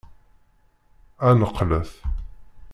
Ad neqqlet!